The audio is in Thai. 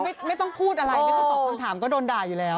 ไม่ต้องพูดอะไรไม่ต้องตอบคำถามก็โดนด่าอยู่แล้ว